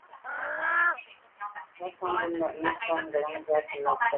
Rǎfàá’ ngômnâ’ nû fâ’ tɔ̌ ngə̀lâŋ fǎ zə̄ bū jâ nàptə́ lá.